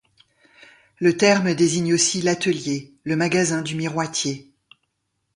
Le terme désigne aussi l'atelier, le magasin du miroitier.